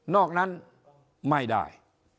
อกนั้นไม่ได้